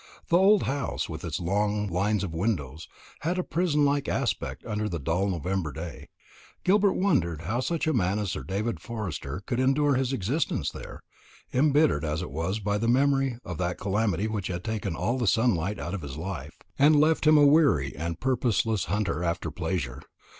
The old house, with its long lines of windows, had a prison like aspect under the dull November day. Gilbert wondered how such a man as Sir David Forster could endure his existence there, embittered as it was by the memory of that calamity which had taken all the sunlight out of his life, and left him a weary and purposeless hunter after pleasure.